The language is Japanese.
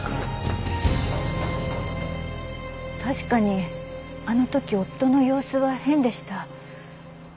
確かにあの時夫の様子は変でした。